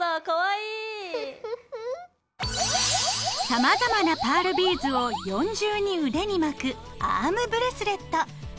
さまざまなパールビーズを４重に腕に巻くアームブレスレット。